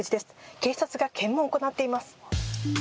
警察が検問を行っています。